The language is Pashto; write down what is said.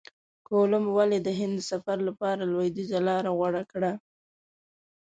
کولمب ولي د هند د سفر لپاره لویدیځه لاره غوره کړه؟